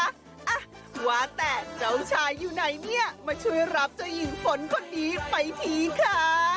อ่ะว่าแต่เจ้าชายอยู่ไหนเนี่ยมาช่วยรับเจ้าหญิงฝนคนนี้ไปทีค่ะ